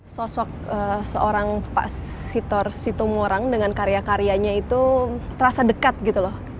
sosok seorang pak sitor situmorang dengan karya karyanya itu terasa dekat gitu loh